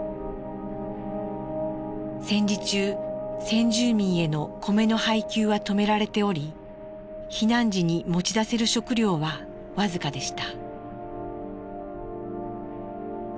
戦時中先住民への米の配給は止められており避難時に持ち出せる食料は僅かでした。